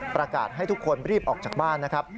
ประกาศให้ทุกคนรีบออกจากบ้านนะครับ